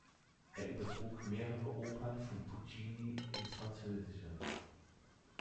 Er übertrug mehrere Opern von Puccini ins Französische.